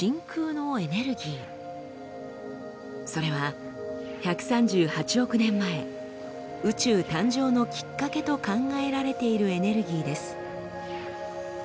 それは１３８億年前宇宙誕生のきっかけと考えられているエネルギーです。